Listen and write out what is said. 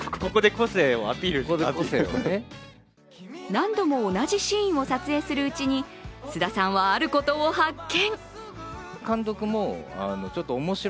何度も同じシーンを撮影するうちに、菅田さんはあることを発見。